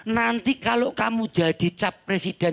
nanti kalau kamu jadi capres